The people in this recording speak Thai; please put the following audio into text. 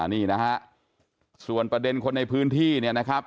นี่นะฮะส่วนประเด็นคนในพื้นที่เนี่ยนะครับ